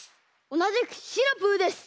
おなじくシナプーです。